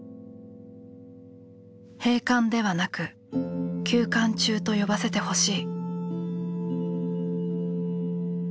「閉館ではなく休館中と呼ばせてほしい」。